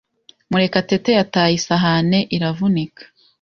Murekatete yataye isahani iravunika.